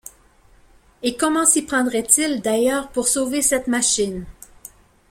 Et comment s’y prendrait-il d’ailleurs pour sauver cette machine?